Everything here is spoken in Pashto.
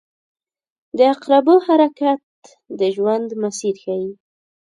• د عقربو حرکت د ژوند مسیر ښيي.